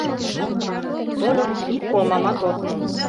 Тольык ик олмамат от му.